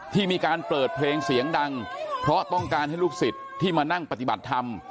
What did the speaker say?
ที่มีการเปิดเพลงเสียงดังเพราะต้องการให้ลูกศิษย์ที่มานั่งปฏิบัติธรรม